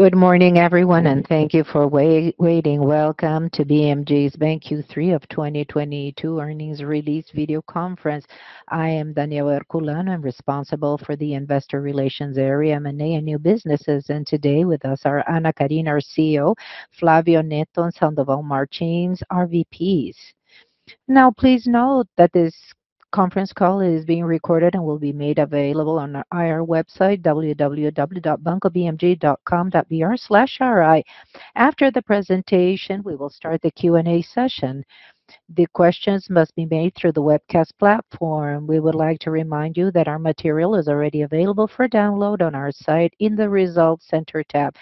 Good morning everyone, thank you for waiting. Welcome to Banco BMG's Q3 of 2022 Earnings Release Video Conference. I am Danilo Herculano. I'm responsible for the investor relations area, M&A, and new businesses. Today with us are Ana Karina, our CEO, Flavio Netto and Sandoval Martins, our VPs. Please note that this conference call is being recorded and will be made available on our IR website, www.bancobmg.com.br/ir. After the presentation, we will start the Q&A session. The questions must be made through the webcast platform. We would like to remind you that our material is already available for download on our site in the Results Center tab.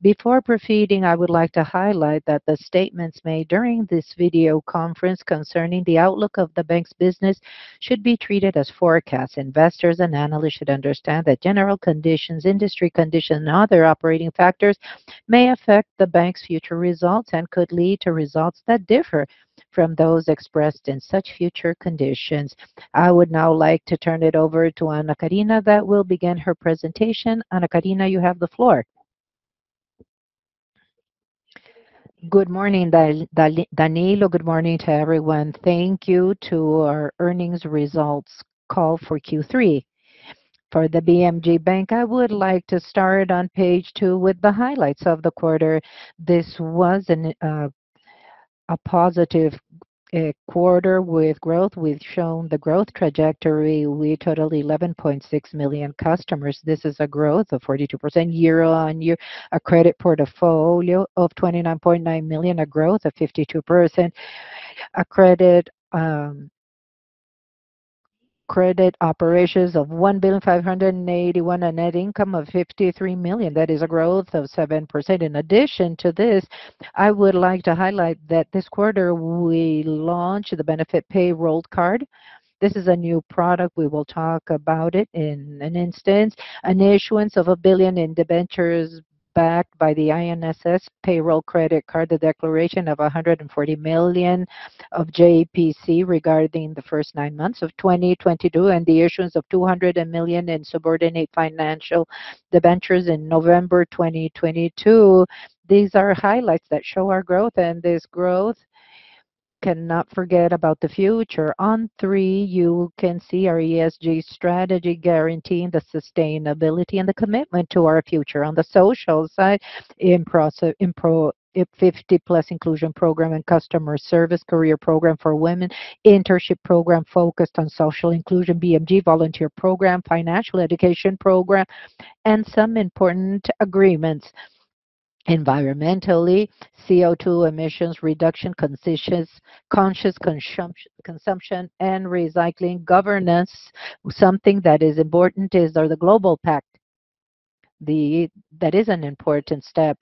Before proceeding, I would like to highlight that the statements made during this video conference concerning the outlook of the bank's business should be treated as forecasts. Investors and analysts should understand that general conditions, industry conditions, and other operating factors may affect the bank's future results and could lead to results that differ from those expressed in such future conditions. I would now like to turn it over to Ana Karina Bortoni Dias that will begin her presentation. Ana Karina Bortoni Dias, you have the floor. Good morning, Danilo. Good morning to everyone. Thank you to our earnings results call for Q3. For the Banco BMG, I would like to start on page two with the highlights of the quarter. This was a positive quarter with growth. We've shown the growth trajectory. We total 11.6 million customers. This is a growth of 42% year-on-year. A credit portfolio of 29.9 million, a growth of 52%. A credit operations of 1.581 billion. A net income of 53 million. That is a growth of 7%. In addition to this, I would like to highlight that this quarter we launched the Benefit Payroll Card. This is a new product. We will talk about it in an instance. An issuance of 1 billion in debentures backed by the INSS Payroll Credit Card. The declaration of 140 million of JCP regarding the first nine months of 2022, and the issuance of 200 million in subordinated financial bills in November 2022. These are highlights that show our growth. This growth cannot forget about the future. On 3, you can see our ESG strategy guaranteeing the sustainability and the commitment to our future. On the social side, 50+ inclusion program and customer service career program for women, internship program focused on social inclusion, BMG Volunteer Program, Financial Education Program, and some important agreements. Environmentally, CO2 emissions reduction, conscious consumption, and recycling. Governance. Something that is important is our Global Compact. That is an important step.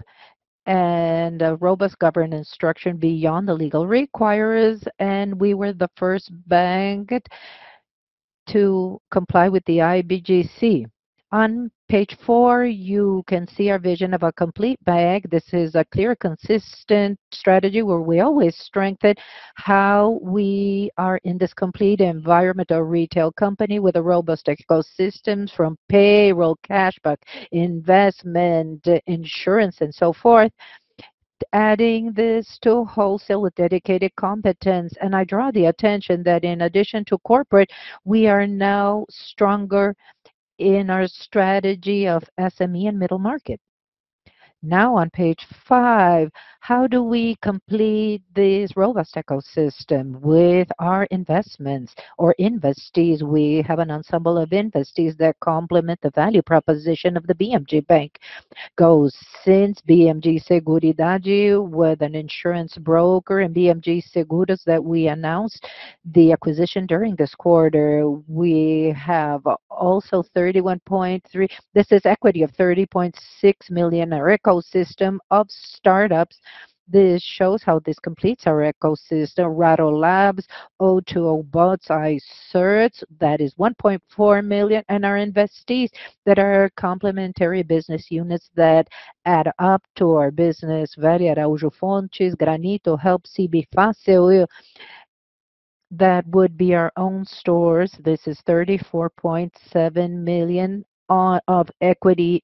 A robust governance structure beyond the legal requirements, and we were the first bank to comply with the IBGC. On page four, you can see our vision of a complete bank. This is a clear, consistent strategy where we always strengthen how we are in this complete environmental retail company with a robust ecosystem from payroll, cash back, investment, insurance, and so forth. Adding this to wholesale with dedicated competence. I draw the attention that in addition to corporate, we are now stronger in our strategy of SME and middle-market. Now on page five, how do we complete this robust ecosystem with our investments or investees. We have an ensemble of investees that complement the value proposition of the BMG Bank. Goes since BMG Seguridade with an insurance broker and BMG Seguros that we announced the acquisition during this quarter. We have also 31.3 million. This is equity of 30.6 million, our ecosystem of startups. This shows how this completes our ecosystem. Raro Labs, O2O Bots, iCert, that is 1.4 million. And our investees that are complementary business units that add up to our business. Araújo Fontes, Granito, help!, CB Fácil. That would be our own stores. This is 34.7 million of equity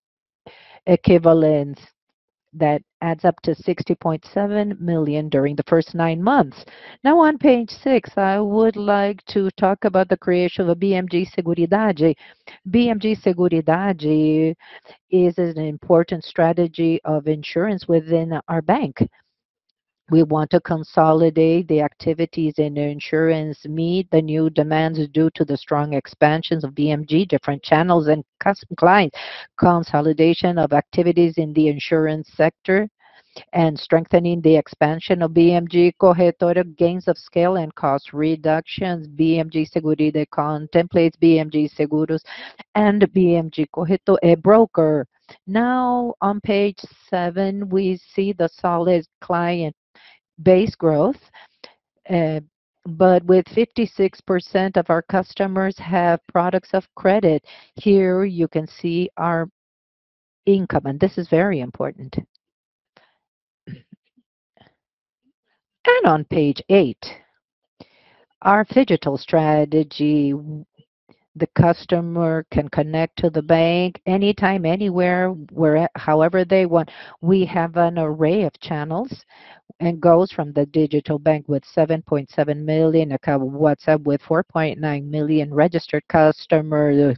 equivalents. That adds up to 60.7 million during the first nine months. Now on page six, I would like to talk about the creation of BMG Seguridade. Bmg Seguridade is an important strategy of insurance within our bank. We want to consolidate the activities in insurance, meet the new demands due to the strong expansions of BMG, different channels, and client. Consolidation of activities in the insurance sector and strengthening the expansion of Bmg Corretora, gains of scale and cost reductions. Bmg Seguridade contemplates Bmg Seguros and Bmg Corretora, a broker. On page seven, we see the solid client base growth. With 56% of our customers have products of credit. Here you can see our income, this is very important. On page eight, our phygital strategy, the customer can connect to the bank anytime, anywhere, however they want. We have an array of channels and goes from the digital bank with 7.7 million, WhatsApp with 4.9 million registered customers.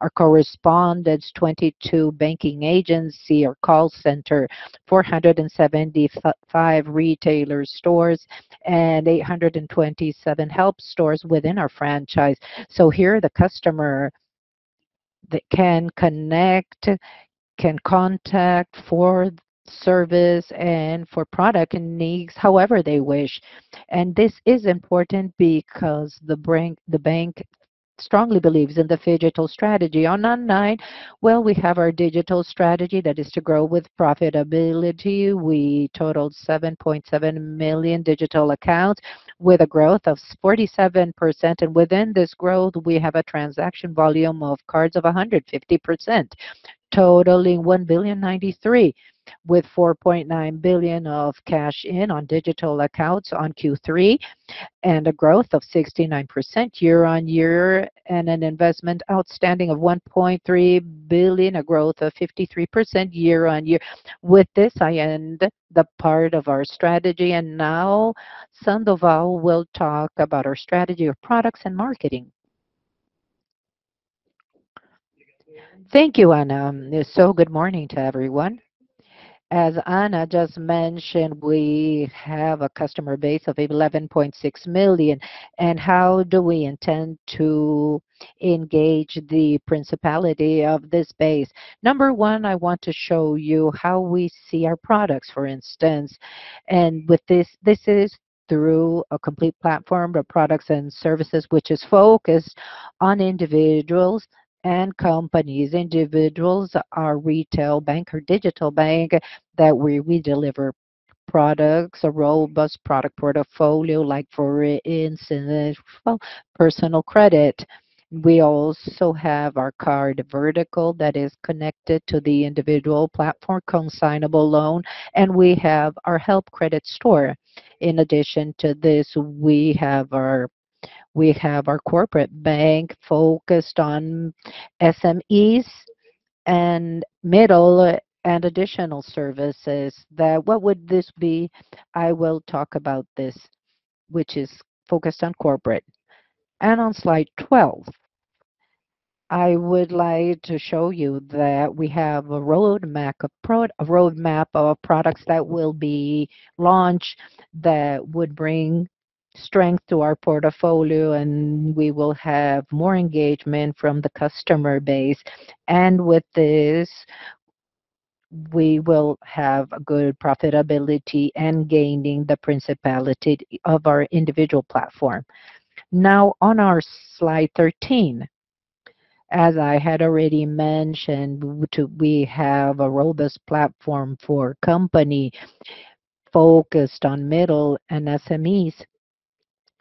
Our correspondents, 22 banking agency, our call center, 475 retailer stores, and 827 help! stores within our franchise. Here the customer that can connect, can contact for service and for product needs however they wish. This is important because the bank strongly believes in the phygital strategy. Well, we have our digital strategy that is to grow with profitability. We totaled 7.7 million digital accounts with a growth of 47%. Within this growth, we have a transaction volume of cards of 150%, totaling 1.093 billion, with 4.9 billion of cash in on digital accounts on Q3, and a growth of 69% year-over-year, and an investment outstanding of 1.3 billion, a growth of 53% year-over-year. With this, I end the part of our strategy. Now Sandoval will talk about our strategy of products and marketing. Thank you, Ana. Good morning to everyone. As Ana just mentioned, we have a customer base of 11.6 million. How do we intend to engage the principality of this base? Number one, I want to show you how we see our products, for instance. With this is through a complete platform of products and services, which is focused on individuals and companies. Individuals, our retail bank or digital bank that we deliver products, a robust product portfolio like, for instance, well, personal credit. We also have our card vertical that is connected to the individual platform, consignable loan, and we have our help! credit store. In addition to this, we have our corporate bank focused on SMEs and middle and additional services. I will talk about this, which is focused on corporate. On slide 12, I would like to show you that we have a roadmap of products that will be launched that would bring strength to our portfolio, and we will have more engagement from the customer base. With this, we will have a good profitability and gaining the principality of our individual platform. On our slide 13, as I had already mentioned, we have a robust platform for company focused on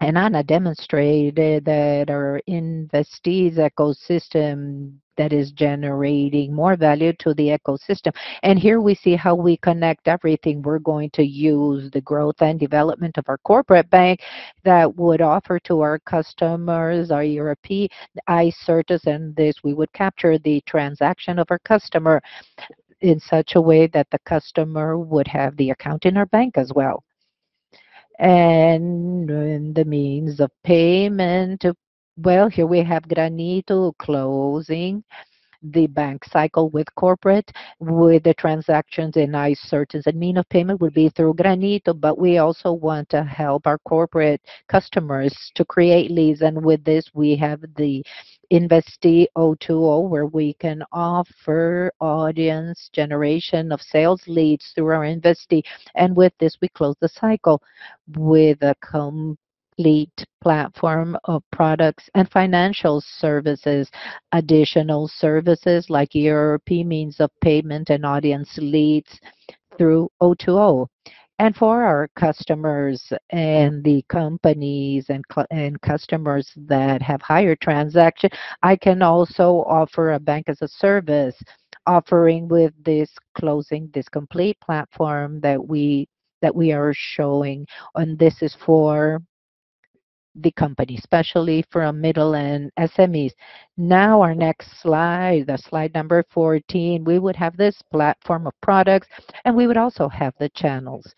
middle and SMEs. Ana demonstrated that our Invest ecosystem that is generating more value to the ecosystem. Here we see how we connect everything. We're going to use the growth and development of our corporate bank that would offer to our customers our European iCert. This, we would capture the transaction of our customer in such a way that the customer would have the account in our bank as well. In the means of payment, well, here we have Granito closing the bank cycle with corporate, with the transactions in iCert, and mean of payment would be through Granito. We also want to help our corporate customers to create leads. With this, we have the Investee O2O, where we can offer audience generation of sales leads through our Investi. With this, we close the cycle with a complete platform of products and financial services, additional services like European means of payment and audience leads through O2O. For our customers and the companies and customers that have higher transaction, I can also offer a bank-as-a-service offering with this closing, this complete platform that we are showing, and this is for the company, especially for middle-end SMEs. Our next slide, the slide number 14, we would have this platform of products, and we would also have the channels.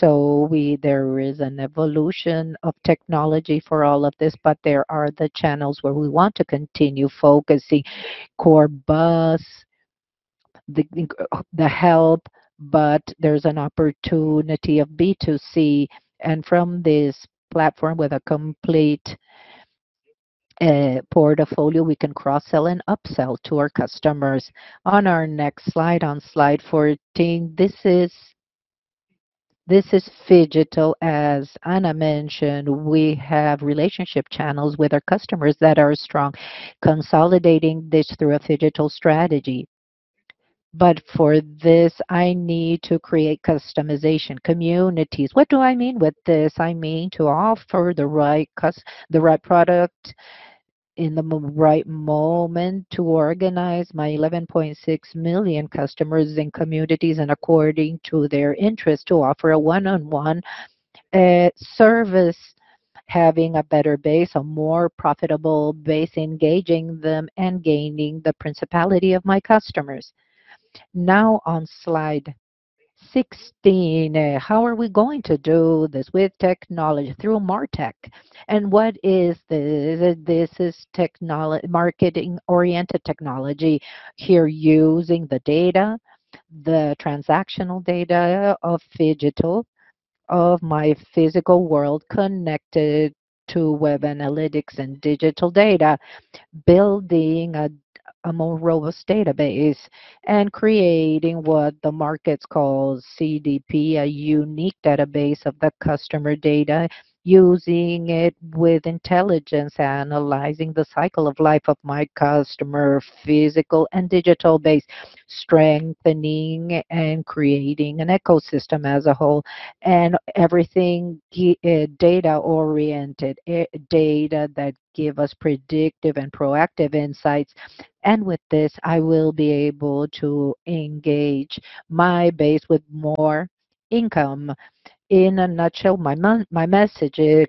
There is an evolution of technology for all of this, but there are the channels where we want to continue focusing, Corbus, the help!, but there is an opportunity of B2C. From this platform with a complete portfolio, we can cross-sell and upsell to our customers. On our next slide, on slide 14, this is phygital. As Ana mentioned, we have relationship channels with our customers that are strong, consolidating this through a phygital strategy. For this, I need to create customization, communities. What do I mean with this? I mean to offer the right product in the right moment to organize my 11.6 million customers in communities and according to their interest to offer a one-on-one service having a better base, a more profitable base, engaging them and gaining the principality of my customers. On slide 16, how are we going to do this? With technology through MarTech. What is this? This is marketing-oriented technology here using the data, the transactional data of phygital, of my physical world connected to web analytics and digital data, building a more robust database and creating what the markets call CDP, a unique database of the customer data, using it with intelligence, analyzing the cycle of life of my customer, physical and digital base, strengthening and creating an ecosystem as a whole and everything data-oriented, data that give us predictive and proactive insights. With this, I will be able to engage my base with more income. In a nutshell, my message is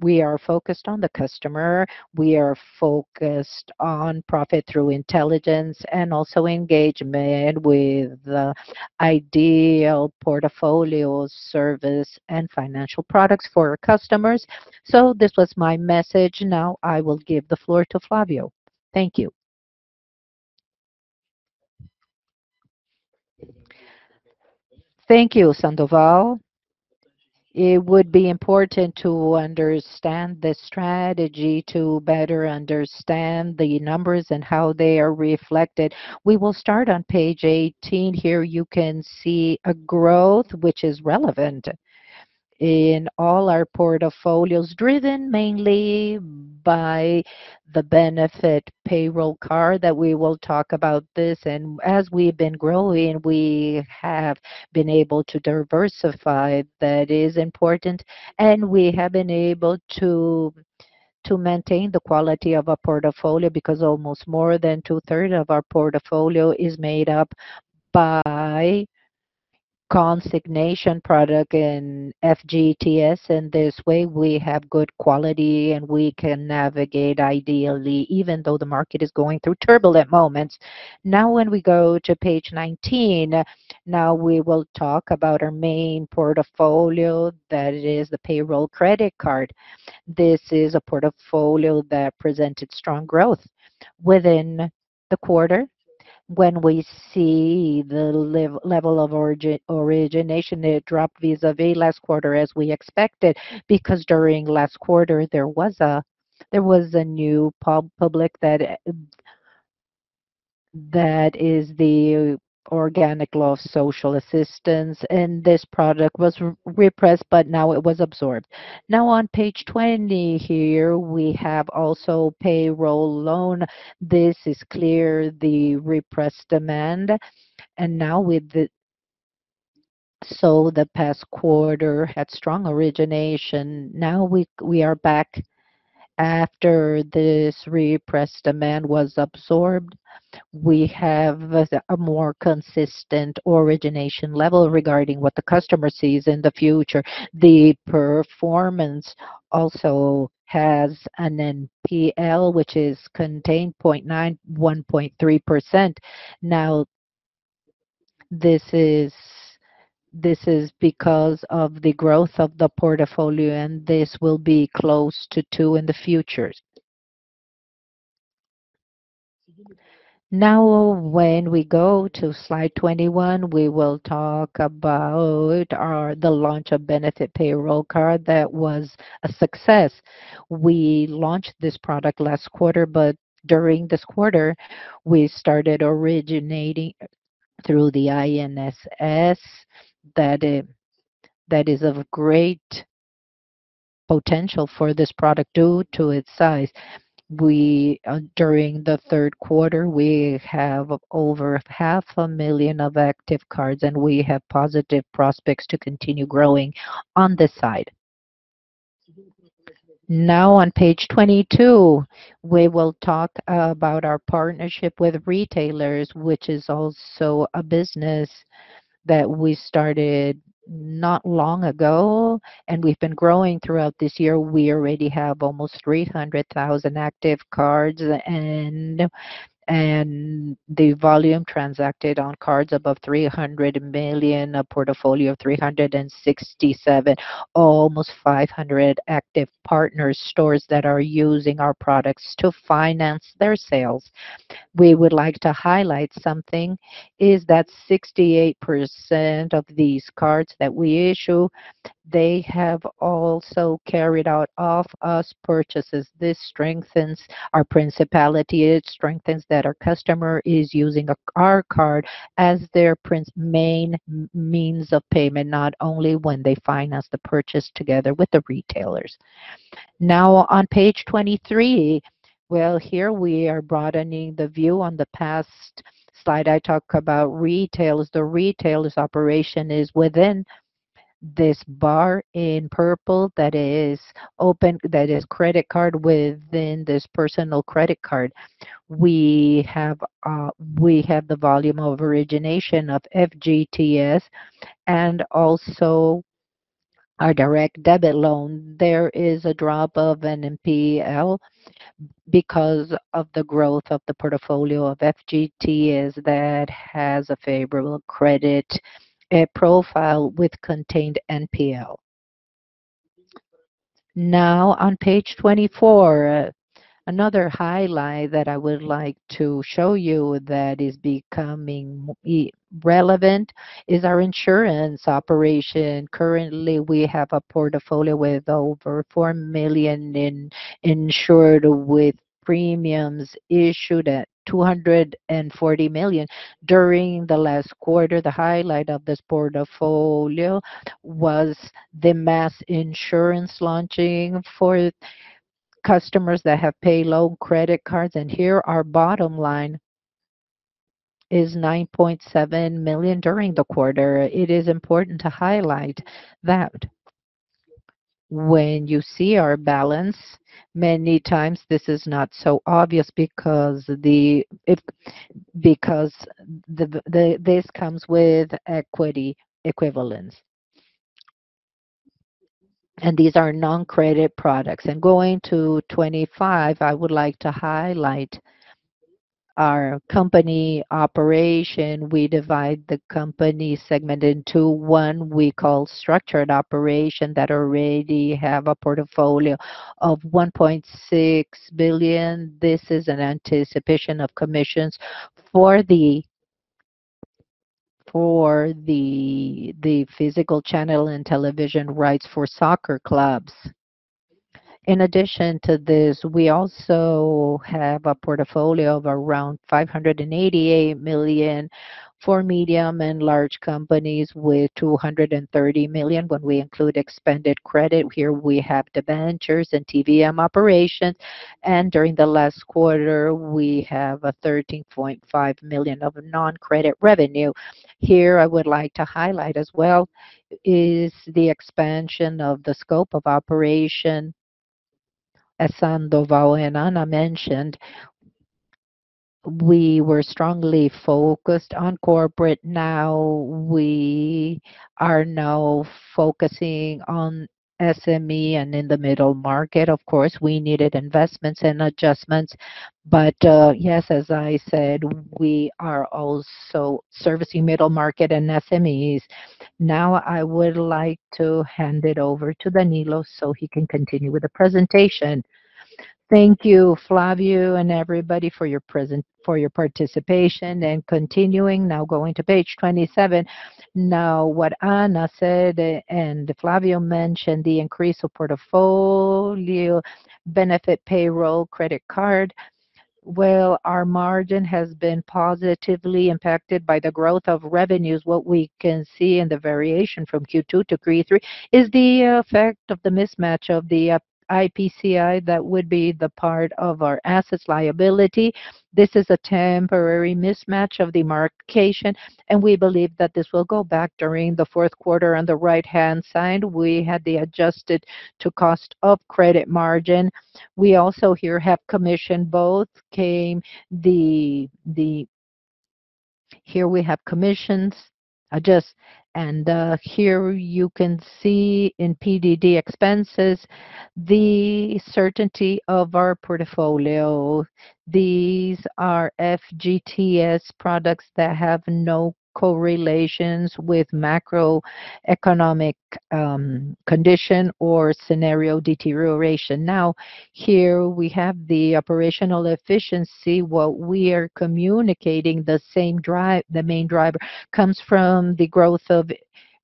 we are focused on the customer. We are focused on profit through intelligence and also engagement with the ideal portfolios, service, and financial products for our customers. This was my message. Now I will give the floor to Flavio. Thank you. Thank you, Sandoval. It would be important to understand the strategy to better understand the numbers and how they are reflected. We will start on page 18. Here you can see a growth which is relevant in all our portfolios, driven mainly by the Benefit Payroll Card that we will talk about this. As we've been growing, we have been able to diversify. That is important. We have been able to maintain the quality of our portfolio because almost more than 2/3 of our portfolio is made up by consignable loan and FGTS. This way we have good quality, and we can navigate ideally even though the market is going through turbulent moments. When we go to page 19, now we will talk about our main portfolio, that is the payroll credit card. This is a portfolio that presented strong growth within the quarter. When we see the level of origination, it dropped vis-a-vis last quarter as we expected, because during last quarter there was a new public that is the Lei Orgânica da Assistência Social, and this product was repressed, but now it was absorbed. Now on page 20 here, we have also payroll loan. This is clear the repressed demand. The past quarter had strong origination. Now we are back after this repressed demand was absorbed. We have a more consistent origination level regarding what the customer sees in the future. The performance also has an NPL which is contained 1.3%. This is because of the growth of the portfolio, and this will be close to two in the future. When we go to slide 21, we will talk about the launch of Benefit Payroll Card. That was a success. We launched this product last quarter, but during this quarter we started originating through the INSS. That is of great potential for this product due to its size. We, during the third quarter, we have over 500,000 of active cards, and we have positive prospects to continue growing on this side. On page 22, we will talk about our partnership with retailers, which is also a business that we started not long ago, and we've been growing throughout this year. We already have almost 300,000 active cards and the volume transacted on cards above 300 million, a portfolio of 367, almost 500 active partner stores that are using our products to finance their sales. We would like to highlight something is that 68% of these cards that we issue, they have also carried out of us purchases. This strengthens our principality. It strengthens that our customer is using our card as their main means of payment, not only when they finance the purchase together with the retailers. On page 23, well, here we are broadening the view. On the past slide, I talked about retailers. The retailers operation is within this bar in purple that is credit card within this personal credit card. We have the volume of origination of FGTS and also our direct debit loan. There is a drop of NPL because of the growth of the portfolio of FGTS that has a favorable credit profile with contained NPL. Now on page 24, another highlight that I would like to show you that is becoming relevant is our insurance operation. Currently, we have a portfolio with over 4 million in insured with premiums issued at 240 million. During the last quarter, the highlight of this portfolio was the mass insurance launching for customers that have payroll credit cards. Here our bottom line is 9.7 million during the quarter. It is important to highlight that when you see our balance, many times this is not so obvious because this comes with equity equivalents. These are non-credit products. Going to 25, I would like to highlight our company operation. We divide the company segment into one we call structured operation that already have a portfolio of 1.6 billion. This is an anticipation of commissions for the physical channel and television rights for soccer clubs. In addition to this, we also have a portfolio of around 588 million for medium and large companies with 230 million when we include expanded credit. We have debentures and TVM operations. During the last quarter, we have 13.5 million of non-credit revenue. I would like to highlight as well is the expansion of the scope of operation. As Sandoval and Ana mentioned, we were strongly focused on corporate. We are now focusing on SME and in the middle market. Of course, we needed investments and adjustments. Yes, as I said, we are also servicing middle market and SMEs. I would like to hand it over to Danilo so he can continue with the presentation. Thank you, Flavio and everybody for your participation and continuing. Going to page 27. What Ana said and Flavio mentioned, the increase of portfolio Benefit Payroll Credit Card. Well, our margin has been positively impacted by the growth of revenues. What we can see in the variation from Q2 to Q3 is the effect of the mismatch of the IPCA that would be the part of our asset-liability. This is a temporary mismatch of the demarcation, and we believe that this will go back during the fourth quarter. On the right-hand side, we had the adjusted to cost of credit margin. We also here have commission. Both came. Here we have commissions and here you can see in PDD expenses the certainty of our portfolio. These are FGTS products that have no correlations with macroeconomic condition or scenario deterioration. Here we have the operational efficiency. What we are communicating the main driver comes from the growth of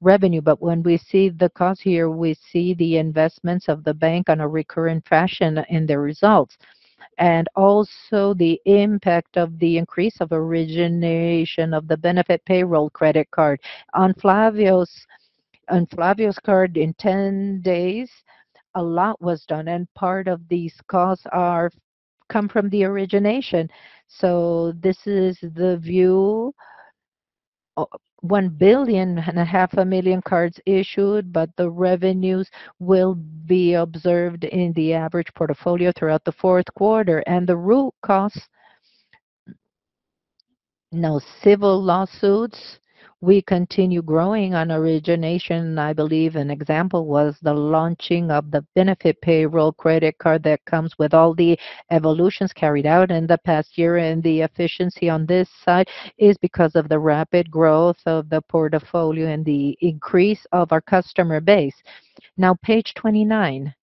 revenue. When we see the cost here, we see the investments of the bank on a recurrent fashion in the results. Also the impact of the increase of origination of the Benefit Payroll Credit Card. On Flavio's card in 10 days, a lot was done, part of these costs come from the origination. This is the view. 1 billion and a half a million cards issued, the revenues will be observed in the average portfolio throughout the fourth quarter. The root cause, no civil lawsuits. We continue growing on origination. I believe an example was the launching of the Benefit Payroll Credit Card that comes with all the evolutions carried out in the past year. The efficiency on this side is because of the rapid growth of the portfolio and the increase of our customer base. Now, page 29.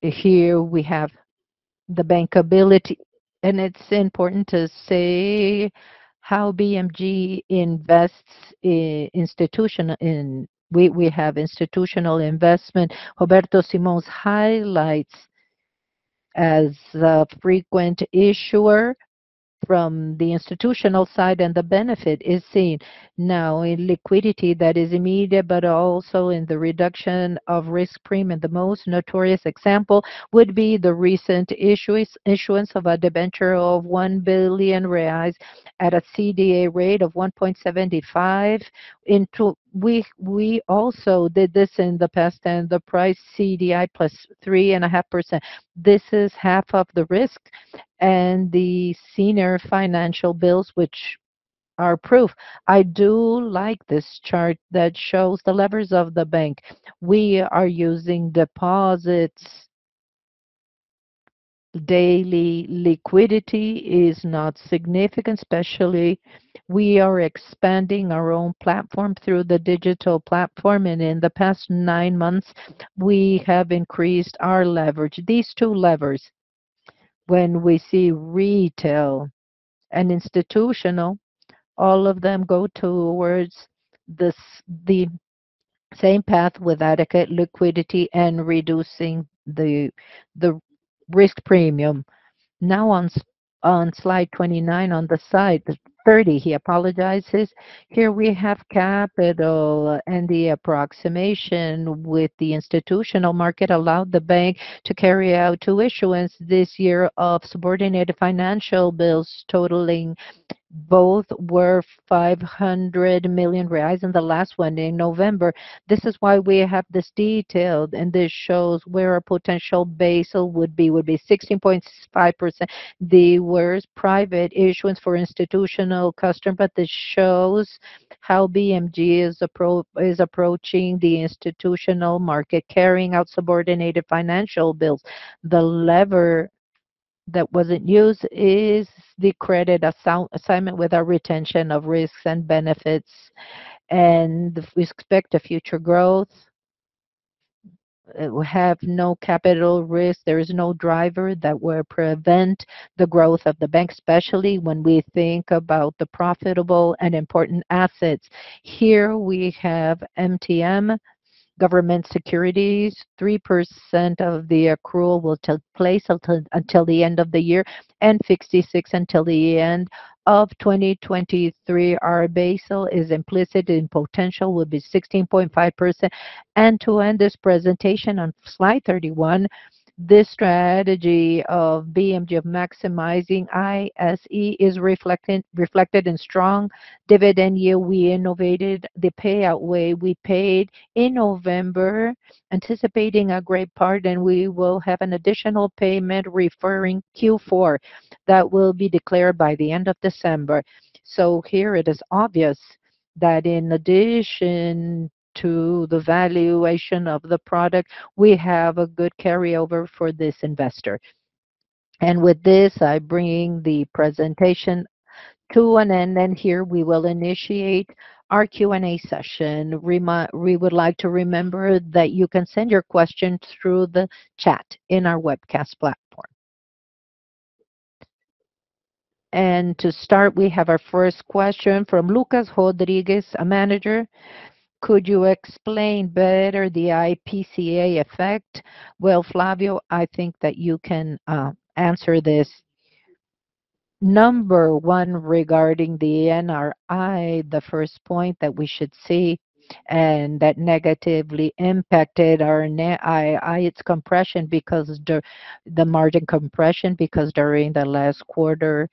Here we have the bankability. It's important to say how BMG invests in institutional investment. Roberto Simões highlights as a frequent issuer. From the institutional side, the benefit is seen now in liquidity that is immediate, but also in the reduction of risk premium. The most notorious example would be the recent issuance of a debenture of 1 billion reais at a CDI rate of 1.75. We also did this in the past, the price CDI plus 3.5%. This is half of the risk and the senior financial bills, which are proof. I do like this chart that shows the levers of the bank. We are using deposits. Daily liquidity is not significant, especially we are expanding our own platform through the digital platform, and in the past nine months, we have increased our leverage. These two levers, when we see retail and institutional, all of them go towards this, the same path with adequate liquidity and reducing the risk premium. On slide 29 on the side, 30, he apologizes. Here we have capital and the approximation with the institutional market allowed the bank to carry out two issuance this year of subordinated financial bills totaling both were 500 million reais in the last one in November. This is why we have this detailed, this shows where our potential Basel would be 16.5%. There were private issuance for institutional customer, this shows how BMG is approaching the institutional market, carrying out subordinated financial bills. The lever that wasn't used is the credit assignment with our retention of risks and benefits, we expect a future growth. We have no capital risk. There is no driver that will prevent the growth of the bank, especially when we think about the profitable and important assets. Here we have MTM government securities. 3% of the accrual will take place until the end of the year, 66 until the end of 2023. Our Basel is implicit and potential will be 16.5%. To end this presentation on slide 31, this strategy of BMG of maximizing ISE is reflected in strong dividend yield. We innovated the payout way. We paid in November, anticipating a great part, and we will have an additional payment referring Q4 that will be declared by the end of December. Here it is obvious that in addition to the valuation of the product, we have a good carryover for this investor. With this, I bring the presentation to an end, and here we will initiate our Q&A session. We would like to remember that you can send your questions through the chat in our webcast platform. To start, we have our first question from Lucas Rodriguez, a manager. Could you explain better the IPCA effect? Well, Flavio, I think that you can answer this. Number one, regarding the NII, the first point that we should see and that negatively impacted our NII, its compression because the margin compression because during the last quarter,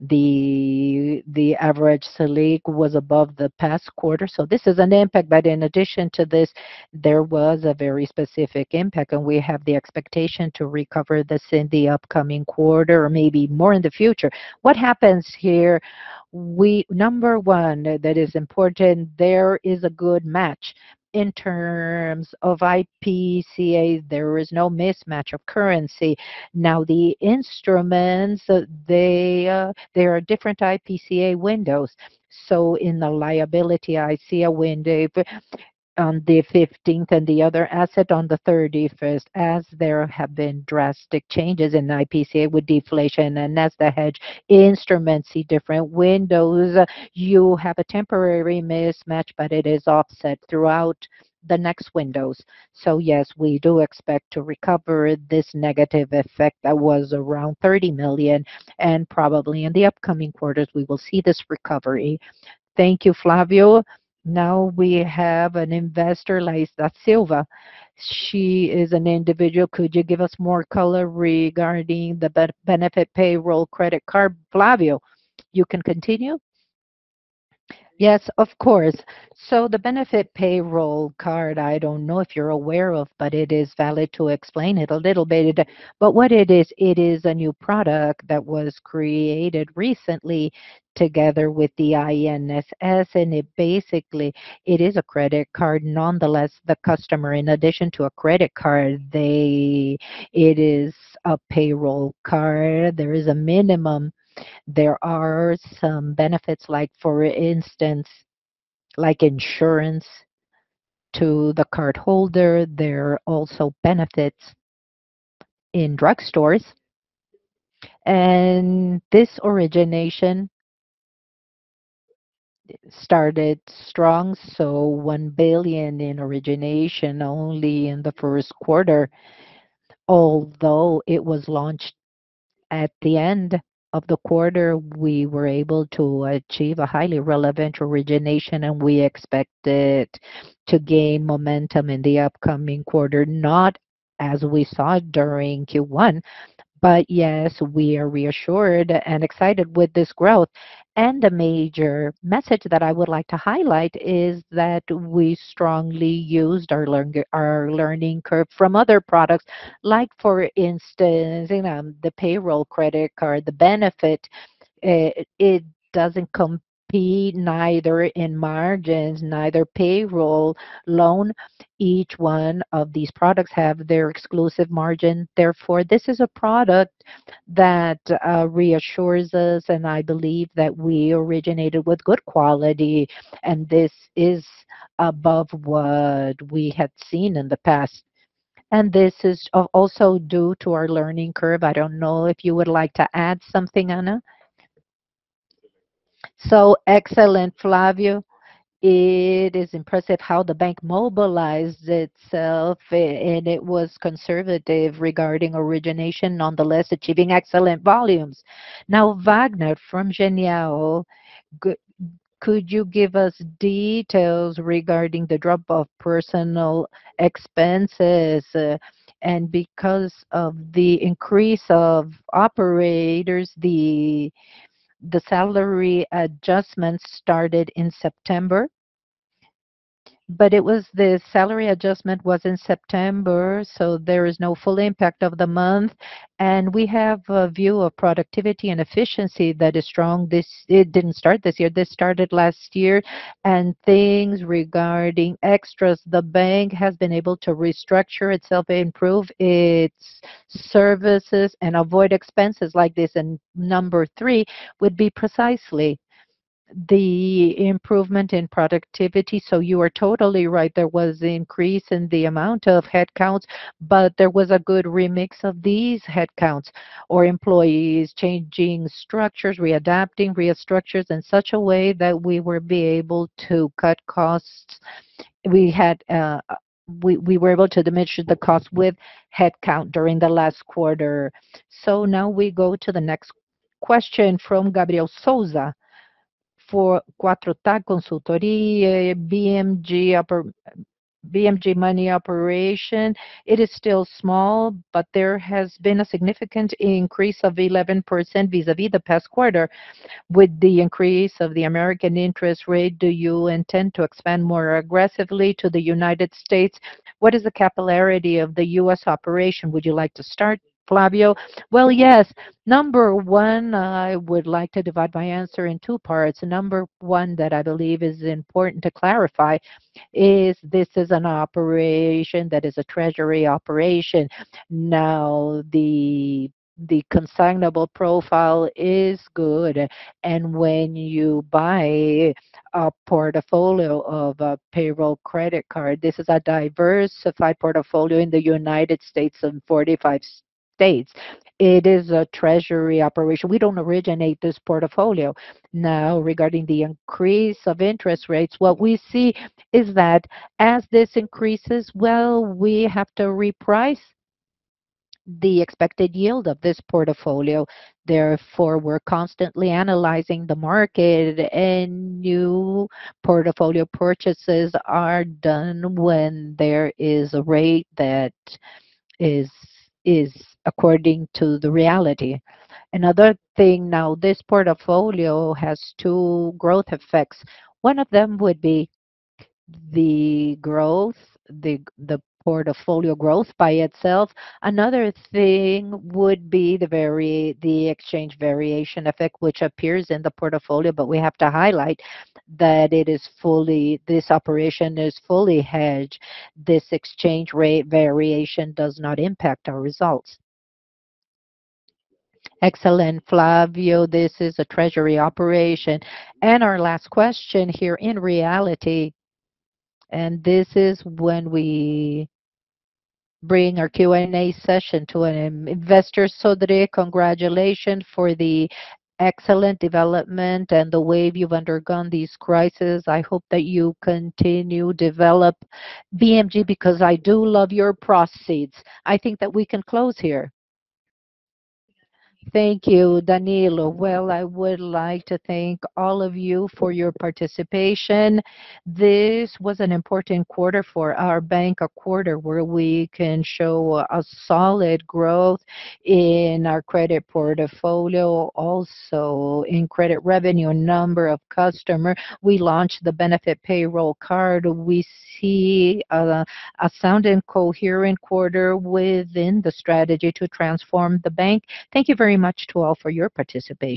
the average Selic was above the past quarter. This is an impact, but in addition to this, there was a very specific impact, and we have the expectation to recover this in the upcoming quarter or maybe more in the future. What happens here, number one, that is important, there is a good match. In terms of IPCA, there is no mismatch of currency. Now, the instruments, they, there are different IPCA windows. In the liability, I see a window on the 15th and the other asset on the 31st. There have been drastic changes in IPCA with deflation and as the hedge instruments see different windows, you have a temporary mismatch, but it is offset throughout the next windows. Yes, we do expect to recover this negative effect that was around 30 million, and probably in the upcoming quarters, we will see this recovery. Thank you, Flavio. We have an investor, Laiza Silva. She is an individual. Could you give us more color regarding the Benefit Payroll Credit Card? Flavio, you can continue. Yes, of course. The Benefit Payroll Card, I don't know if you're aware of, but it is valid to explain it a little bit. What it is, it is a new product that was created recently together with the INSS, and it basically, it is a credit card. Nonetheless, the customer, in addition to a credit card, they. It is a payroll card. There is a minimum. There are some benefits like, for instance, like insurance to the cardholder. There are also benefits in drugstores. This origination started strong, 1 billion in origination only in the first quarter. Although it was launched at the end of the quarter, we were able to achieve a highly relevant origination. We expect it to gain momentum in the upcoming quarter, not as we saw during Q1. Yes, we are reassured and excited with this growth. The major message that I would like to highlight is that we strongly used our learning curve from other products. Like for instance, you know, the payroll credit card, the benefit, it doesn't compete neither in margins, neither payroll loan. Each one of these products have their exclusive margin. This is a product that reassures us, and I believe that we originated with good quality, and this is above what we had seen in the past. This is also due to our learning curve. I don't know if you would like to add something, Ana. Excellent, Flavio. It is impressive how the bank mobilized itself and it was conservative regarding origination, nonetheless achieving excellent volumes. Vagner from Genial, could you give us details regarding the drop of personal expenses? Because of the increase of operators, the salary adjustments started in September. The salary adjustment was in September, so there is no full impact of the month. We have a view of productivity and efficiency that is strong. It didn't start this year. This started last year. Things regarding extras, the bank has been able to restructure itself, improve its services, and avoid expenses like this. Number three would be precisely the improvement in productivity. You are totally right. There was an increase in the amount of headcounts, but there was a good remix of these headcounts or employees changing structures, readapting, restructuring in such a way that we would be able to cut costs. We were able to diminish the cost with headcount during the last quarter. Now we go to the next question from Gabriel Souza. For Quatro Tac Consultoria, BMG Money Operation, it is still small, but there has been a significant increase of 11% vis-a-vis the past quarter. With the increase of the American interest rate, do you intend to expand more aggressively to the United States? What is the capillarity of the U.S. operation? Would you like to start, Flavio? Well, yes. Number one, I would like to divide my answer in two parts. Number one that I believe is important to clarify is this is an operation that is a treasury operation. Now, the consignable profile is good. When you buy a portfolio of a payroll credit card, this is a diversified portfolio in the United States and 45 states. It is a treasury operation. We don't originate this portfolio. Now, regarding the increase of interest rates, what we see is that as this increases, well, we have to reprice the expected yield of this portfolio. Therefore, we're constantly analyzing the market and new portfolio purchases are done when there is a rate that is according to the reality. Another thing now, this portfolio has two growth effects. One of them would be the growth, the portfolio growth by itself. Another thing would be the exchange variation effect, which appears in the portfolio, but we have to highlight that this operation is fully hedged. This exchange rate variation does not impact our results. Excellent, Flavio. Our last question here in reality, this is when we bring our Q&A session to an investor. Sodré, congratulations for the excellent development and the way you've undergone this crisis. I hope that you continue develop BMG because I do love your proceeds. I think that we can close here. Thank you, Danilo. I would like to thank all of you for your participation. This was an important quarter for our bank, a quarter where we can show a solid growth in our credit portfolio, also in credit revenue, number of customer. We launched the Benefit Payroll Card. We see a sound and coherent quarter within the strategy to transform the bank. Thank you very much to all for your participation.